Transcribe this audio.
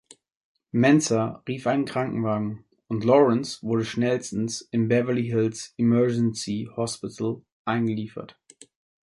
Menzer rief einen Krankenwagen, und Lawrence wurde schnellstens in Beverly Hills Emergency Hospital eingeliefert.